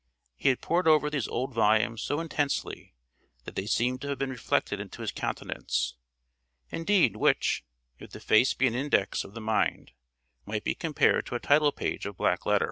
He had poured over these old volumes so intensely, that they seemed to have been reflected into his countenance indeed; which, if the face be an index of the mind, might be compared to a title page of black letter.